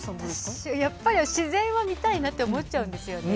私は自然を見たいなと思っちゃうんですよね。